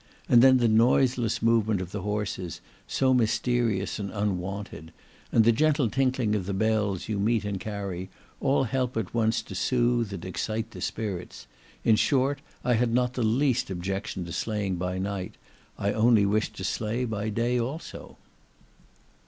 And then the noiseless movement of the horses, so mysterious and unwonted, and the gentle tinkling of the bells you meet and carry, all help at once to soothe and excite the spirits: in short, I had not the least objection to sleighing by night, I only wished to sleigh by day also.